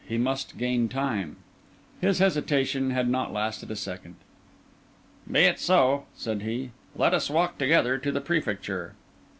He must gain time. His hesitation had not lasted a second. "Be it so," said he, "let us walk together to the Prefecture."